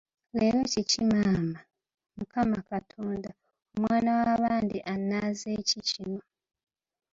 Leero kiki maama! Mukama Katonda, omwana w'abandi annanze ki kino?